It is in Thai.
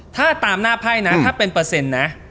ถ้าตามหน้าไพ่นะถ้าเป็นเปอร์เซ็นต์นะ